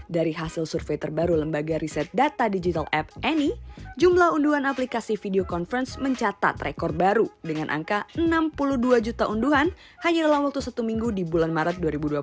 dari hasil survei terbaru lembaga riset data digital app any jumlah unduhan aplikasi video conference mencatat rekor baru dengan angka enam puluh dua juta unduhan hanya dalam waktu satu minggu di bulan maret dua ribu dua puluh